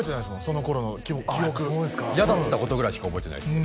その頃の記憶嫌だったことぐらいしか覚えてないです